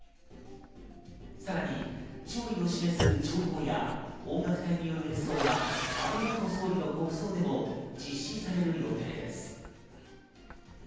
さらに弔意を示す弔砲や、音楽隊による演奏が安倍元総理の国葬でも実施される予定です。